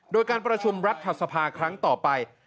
โดยการประชุมรัฐสภาครั้งต่อไป